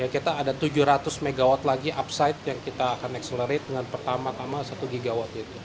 kita ada tujuh ratus mw lagi upside yang kita akan accelerate dengan pertama tama satu gw